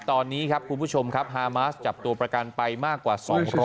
ตอนนี้ครับคุณผู้ชมครับฮามาสจับตัวประกันไปมากกว่า๒๐๐